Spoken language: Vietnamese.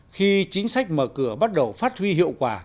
khi chính sách mở cửa bắt đầu phát huy hiệu quả